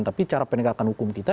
tapi cara penegakan hukum kita